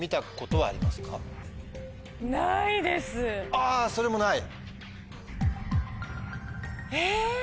あそれもない。